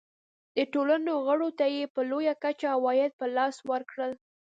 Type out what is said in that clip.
دې ټولنو غړو ته یې په لویه کچه عواید په لاس ورکول.